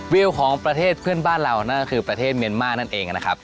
วิวของประเทศเพื่อนบ้านเรานั่นก็คือประเทศเมียนมาร์นั่นเองนะครับ